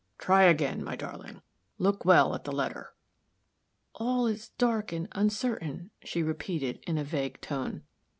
"Try again, my darling. Look well at the letter." "All is dark and uncertain," she repeated, in a vague tone.